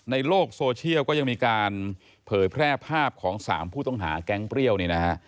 ในโลกโซเชียลก็ยังมีการเผยแพร่ภาพของ๓ผู้ต้องหาแก๊งเปรี้ยวเนี่ยนะฮะ